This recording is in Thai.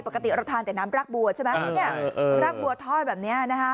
ปกติเราทานแต่น้ำรากบัวใช่ไหมรากบัวทอดแบบนี้นะคะ